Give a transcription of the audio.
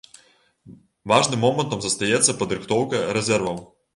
Важным момантам застаецца падрыхтоўка рэзерваў.